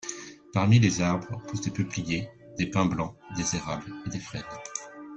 Parmi les arbres, poussent des peupliers, des pins blancs, des érables et des frênes.